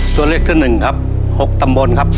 ตัวเลขที่หนึ่งครับ๖ตำบลครับ